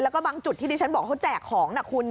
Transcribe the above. แล้วก็บางจุดที่ดิฉันบอกเขาแจกของนะคุณ